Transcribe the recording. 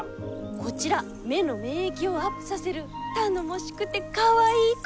こちら目の免疫をアップさせる頼もしくてかわいい子。